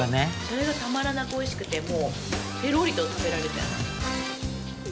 それがたまらなくおいしくてもうペロリと食べられちゃいます。